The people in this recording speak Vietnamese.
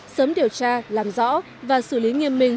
sớm điều tra làm rõ và xử lý nghiêm minh